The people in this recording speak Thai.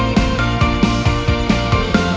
โน้ท